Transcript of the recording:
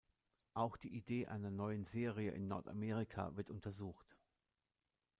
Auch die Idee einer neuen Serie in Nordamerika wird untersucht.